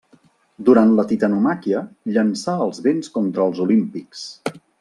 Durant la Titanomàquia, llançà els vents contra els Olímpics.